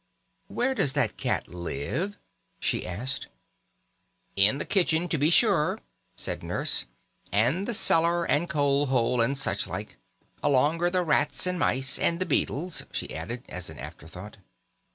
"Where does that cat live?" she asked. "In the kitchen, to be sure," said Nurse; "and the cellar, and coal hole, and such like. Alonger the rats and mice and the beadles," she added, as an after thought.